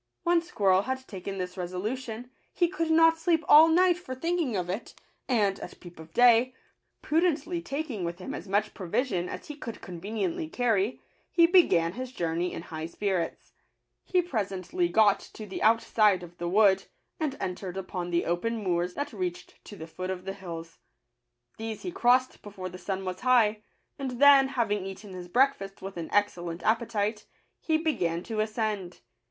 When Squirrel had taken this resolution, he could not sleep all night for thinking of it; and, at peep of day, prudently taking with him as much provision as he could con veniently carry, he began his journey in high spirits. He presently got to the out side of the wood, and entered upon the open moors that reached to the foot of the hills. These he crossed before the sun was high ; and then, having eaten his breakfast with an excellent appetite, he began to ascend.